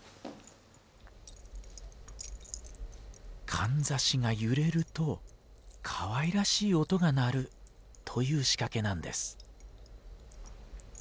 かんざしが揺れるとかわいらしい音が鳴るという仕掛けなんです。